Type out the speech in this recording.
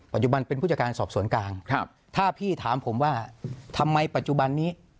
ปัจจุบันเป็นผู้จัดการสอบสวนกลางครับถ้าพี่ถามผมว่าทำไมปัจจุบันนี้